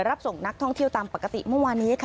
รับส่งนักท่องเที่ยวตามปกติเมื่อวานี้ค่ะ